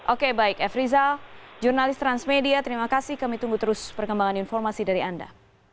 oke baik f rizal jurnalis transmedia terima kasih kami tunggu terus perkembangan informasi dari anda